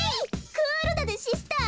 クールだぜシスター！